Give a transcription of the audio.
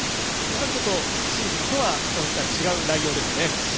ちょっとシーズンとは違う内容ですね。